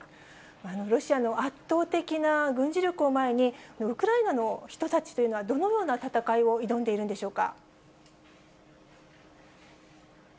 ロシアの圧倒的な軍事力を前に、ウクライナの人たちというのは、どのような戦いを挑んでいるんでしょうか？